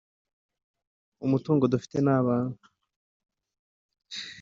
umutungo dufite ni abantu